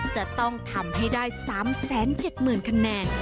จะต้องทำให้ได้๓๗๐๐๐คะแนน